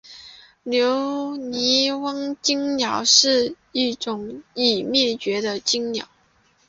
留尼旺椋鸟是一种已灭绝的椋鸟。